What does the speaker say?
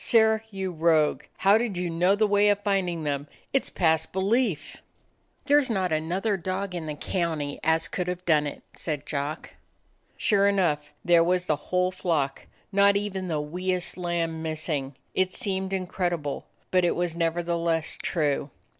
Sirrah, you rogue, how did you know the way of finding them? It 's past belief." 92 A DOG OF THE ETTRICK HILLS "There 's not another dog in the county as could have done it," said Jock. Sure enough, there was the whole flock, not even the wee est lamb missing. It seemed in credible, but it was nevertheless true.